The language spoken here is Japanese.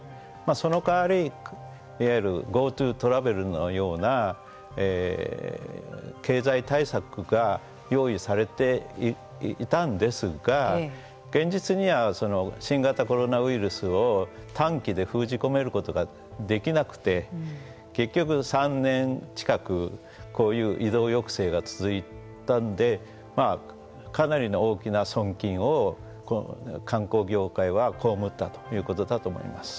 その変わり、いわゆるＧｏＴｏトラベルのような経済対策が用意されていたんですが現実には新型コロナウイルスを短期で封じ込めることができなくて結局、３年近くこういう移動抑制が続いたんでかなりの大きな損金を観光業界は被ったということだと思います。